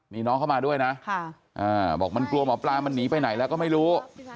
นี่น้องเข้ามาด้วยนะบอกมันกลัวหมอปลามันหนีไปไหนแล้วก็ไม่รู้